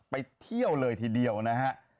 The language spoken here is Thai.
ไปเที่ยวเลยทีเดียวนะฮะ